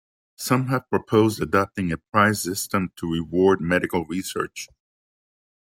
Some have proposed adopting a prize system to reward medical research.